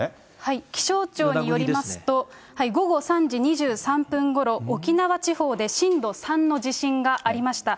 気象庁によりますと、午後３時２３分ごろ、沖縄地方で震度３の地震がありました。